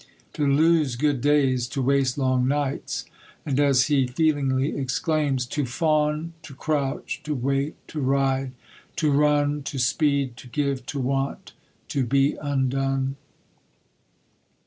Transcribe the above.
To lose good days to waste long nights and, as he feelingly exclaims, "To fawn, to crouch, to wait, to ride, to run, To speed, to give, to want, to be undone!"